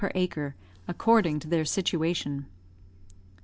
per acre, according to their situation.